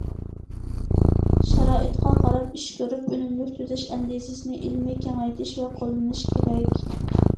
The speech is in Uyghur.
شارائىتقا قاراپ ئىش كۆرۈپ، ئۈنۈملۈك تۈزەش ئەندىزىسىنى ئىلمىي كېڭەيتىش ۋە قوللىنىش كېرەك.